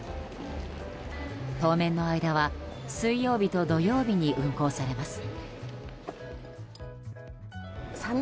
当面の間は水曜日と土曜日に運航されます。